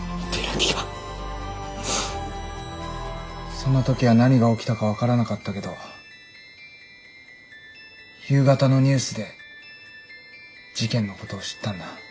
その時は何が起きたか分からなかったけど夕方のニュースで事件のことを知ったんだ。